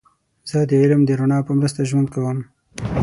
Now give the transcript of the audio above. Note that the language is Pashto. زه د علم د رڼا په مرسته ژوند کوم.